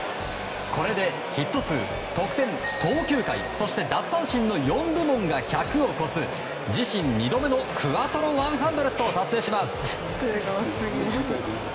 これでヒット数、得点、投球回そして奪三振の４部門が１００を超す、自身２度目のクアトロ１００を達成します。